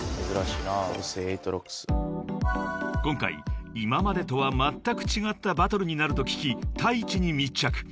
［今回今までとはまったく違ったバトルになると聞きＴａｉｃｈｉに密着］